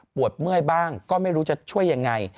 ปวดเมื่อยบ้างก็ไม่รู้จะช่วยอย่างไร